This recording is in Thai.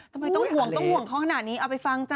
ทำไมต้องห่วงต้องห่วงเขาขนาดนี้เอาไปฟังจ้